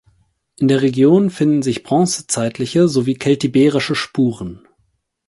In der Region finden sich bronzezeitliche sowie keltiberische Spuren.